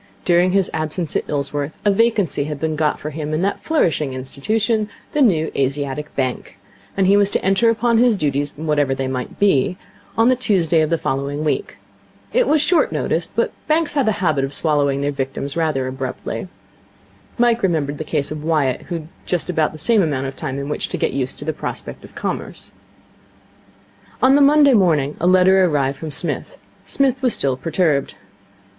During his absence at Ilsworth a vacancy had been got for him in that flourishing institution, the New Asiatic Bank; and he was to enter upon his duties, whatever they might be, on the Tuesday of the following week. It was short notice, but banks have a habit of swallowing their victims rather abruptly. Mike remembered the case of Wyatt, who had had just about the same amount of time in which to get used to the prospect of Commerce. On the Monday morning a letter arrived from Psmith. Psmith was still perturbed.